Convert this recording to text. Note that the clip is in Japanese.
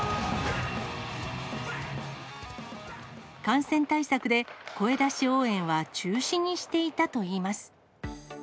感染対策で、声出し応援は中止にしていたといいます。